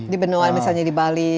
di benua misalnya di bali